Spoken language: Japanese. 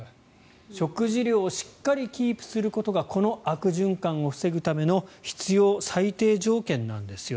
食事量をしっかりキープすることがこの悪循環を防ぐための必要最低条件なんですよ。